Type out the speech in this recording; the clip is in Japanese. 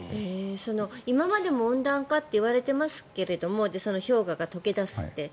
今までも温暖化って言われてますけれど氷河が解け出すって。